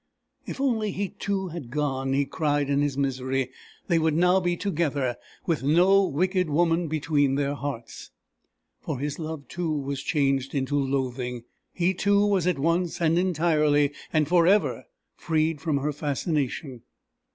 If only he too had gone, he cried in his misery, they would now be together, with no wicked woman between their hearts! For his love too was changed into loathing. He too was at once, and entirely, and for ever freed from her fascination.